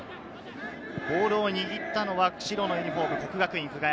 ボールを握ったのは白のユニホーム、國學院久我山。